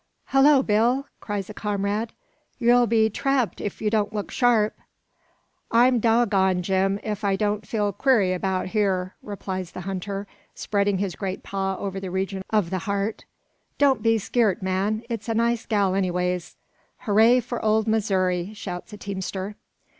"Hollo, Bill!" cries a comrade, "yer'll be trapped if yer don't look sharp." "I'm dog gone, Jim, if I don't feel queery about hyar," replies the hunter, spreading his great paw over the region of the heart. "Don't be skeert, man; it's a nice gal, anyways." "Hooray for old Missouri!" shouts a teamster.